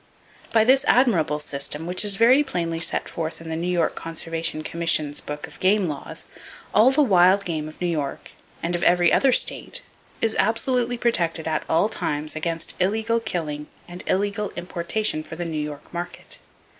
By this admirable system, which is very plainly set forth in the New York Conservation Commission's book of game laws, all the wild game of New York, and of every other state, is absolutely protected at all times against illegal killing and illegal importation for the New York market.